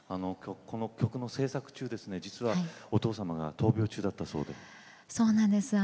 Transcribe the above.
この曲を制作中ですねお父様が闘病中だったそうですね。